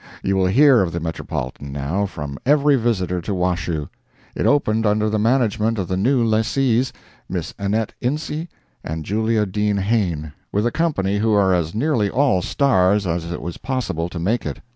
You will hear of the Metropolitan, now, from every visitor to Washoe. It opened under the management of the new lessees, Miss Annette Ince and Julia Dean Hayne, with a company who are as nearly all stars as it was possible to make it.